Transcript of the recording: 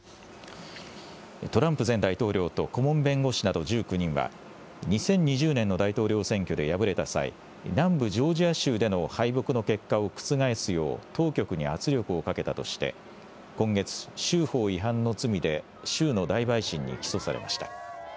トランプ前大統領と顧問弁護士など１９人は、２０２０年の大統領選挙で敗れた際、南部ジョージア州での敗北の結果を覆すよう、当局に圧力をかけたとして、今月、州法違反の罪で州の大陪審に起訴されました。